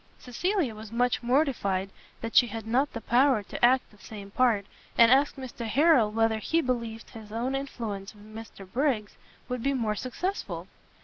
Cecilia was much mortified that she had not the power to act the same part, and asked Mr Harrel whether he believed his own influence with Mr Briggs would be more successful.